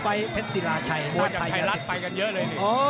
มันมีรายการมวยนัดใหญ่อยู่นัด